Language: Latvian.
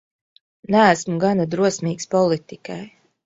Neesmu gana drosmīgs politikai.